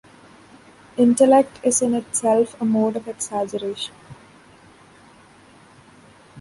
Intellect is in itself a mode of exaggeration.